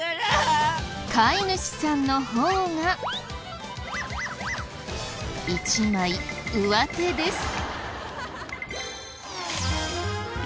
飼い主さんの方が一枚上手です。